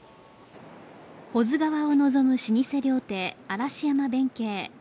保津川を望む老舗料亭・嵐山辨慶。